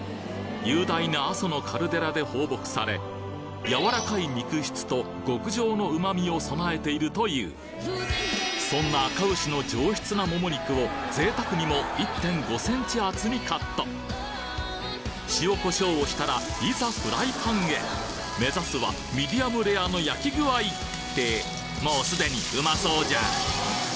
雄大な阿蘇のカルデラで放牧されやわらかい肉質と極上の旨味を備えているというそんなあか牛の上質なもも肉を贅沢にも１．５センチ厚にカット塩胡椒をしたらいざフライパンへ目指すはミディアムレアの焼き具合！ってもうすでにうまそうじゃん！